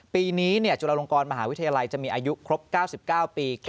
ปีนี้จุฬาลงกรมหาวิทยาลัยจะมีอายุครบ๙๙ปี